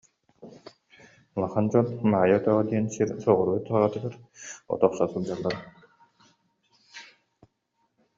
Улахан дьон Маайа өтөҕө диэн сир соҕуруу саҕатыгар от охсо сылдьаллара